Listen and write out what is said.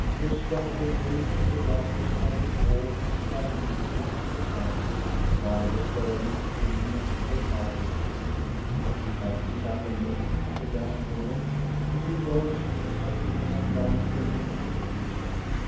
Gosta remained in the darkness by the door and silently watched the countess, while the servant re moved her outer wraps. As he sat and looked at the young woman, he rejoiced as he had not done for many years.